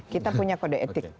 kita punya kode etik